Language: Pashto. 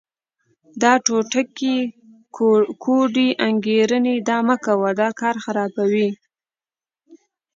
دا ټوټکې، کوډې، انګېرنې دا مه کوئ، دا کار خرابوي.